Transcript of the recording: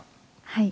はい。